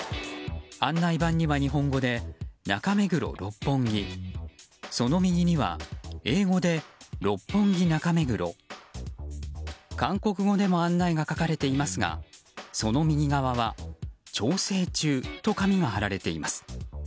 案内板には日本語で中目黒、六本木その右には英語で六本木、中目黒韓国語でも案内が書かれていますがその右側は調整中と紙が貼られています。